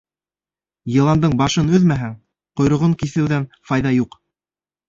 Йыландың башын өҙмәһәң, ҡойроғон киҫеүҙән файҙа юҡ.